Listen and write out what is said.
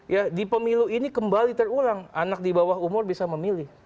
ya di pemilu ini kembali terulang anak di bawah umur bisa memilih